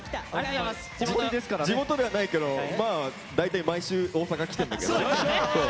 地元ではないけどまあ大体毎週大阪来てんだけど。